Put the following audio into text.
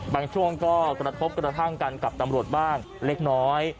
ช่วงก็กระทบกระทั่งกันกับตำรวจบ้างเล็กน้อย